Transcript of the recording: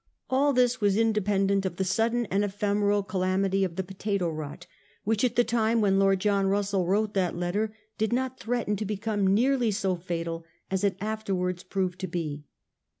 All this was independent of the sudden and ephemeral calamity of the potato rot, which at the time when Lord John Russell wrote that letter did not threaten to become nearly so fatal as it afterwards proved to be.